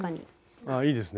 あっいいですね。